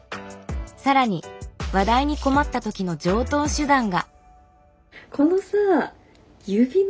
更に話題に困った時の常とう手段が。